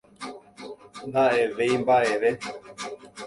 nda'evéimba'eve